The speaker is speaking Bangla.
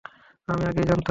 আমি আগেই জানতাম।